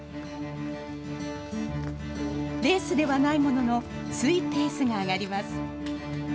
レースではないものの、ついペースが上がります。